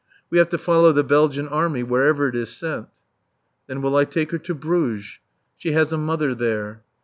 We have to follow the Belgian Army wherever it is sent. Then will I take her to Bruges? She has a mother there.